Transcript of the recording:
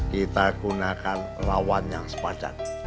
kita gunakan lawan yang sepadat